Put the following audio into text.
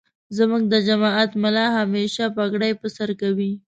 زمونږ دجماعت ملا همیشه پګړی پرسرکوی.